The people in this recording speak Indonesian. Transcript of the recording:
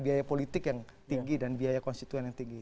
biaya politik yang tinggi dan biaya konstituen yang tinggi